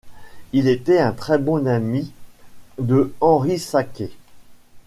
Il était un très bon ami de Henri Sacquet.